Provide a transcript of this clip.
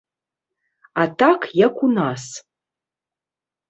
А так, як у нас.